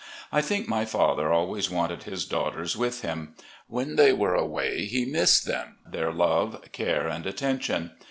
I think my father always wanted his daughters with him. When they were away he missed them, their love, care, and attention.